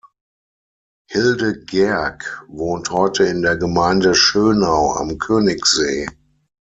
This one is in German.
Hilde Gerg wohnt heute in der Gemeinde Schönau am Königssee.